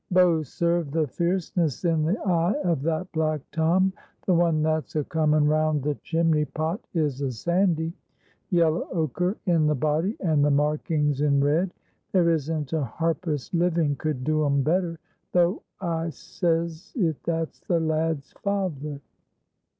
Bo serve the fierceness in the eye of that black Tom. The one that's a coming round the chimney pot is a Sandy; yellow ochre in the body, and the markings in red. There isn't a harpist living could do 'em better, though I says it that's the lad's father."